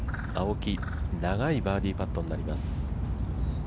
長いバーディーパットになります。